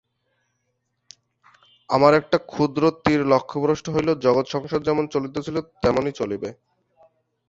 আমার একটা ক্ষুদ্র তীর লক্ষ্যভ্রষ্ট হইলেও জগৎ সংসার যেমন চলিতেছিল তেমনি চলিবে।